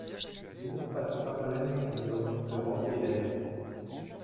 Le nord passe à travers l'Amérique du Nord, l'Europe et l'Asie.